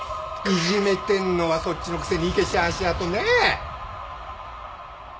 いじめてんのはそっちのくせにいけしゃあしゃあとねぇ。